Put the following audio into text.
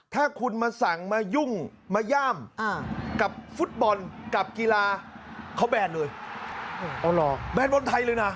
ถ้าคุณมาสั่งมายุ่งมาย่ามกับฟุตบอลกับกีฬาเขาแบนเลยแบนบอลไทยเลยนะ